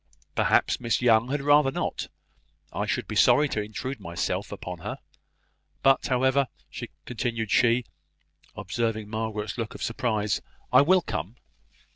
"Perhaps Miss Young had rather not. I should be sorry to intrude myself upon her. But, however," continued she, observing Margaret's look of surprise, "I will come.